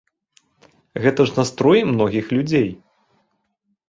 Гэта ж настроі многіх людзей.